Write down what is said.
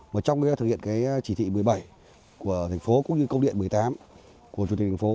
mà trong thực hiện cái chỉ thị một mươi bảy của thành phố cũng như công điện một mươi tám của chủ tịch thành phố